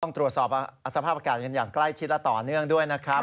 ต้องตรวจสอบสภาพอากาศกันอย่างใกล้ชิดและต่อเนื่องด้วยนะครับ